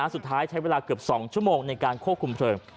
สุดท้ายใช้เวลาเกือบ๒ชั่วโมงในการควบคุมเพลิง